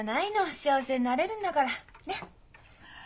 幸せになれるんだからねっ？